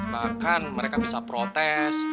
bahkan mereka bisa protes